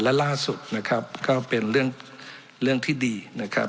และล่าสุดนะครับก็เป็นเรื่องที่ดีนะครับ